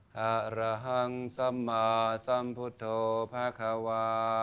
ขระหังสมมาสมบุตโธภัคคาวะ